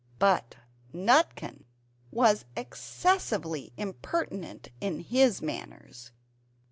But Nutkin was excessively impertinent in his manners.